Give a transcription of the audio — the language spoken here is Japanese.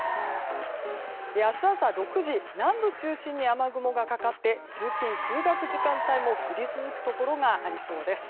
明日朝６時南部を中心に雨雲がかかって通勤・通学時間帯も降り続くところがありそうです。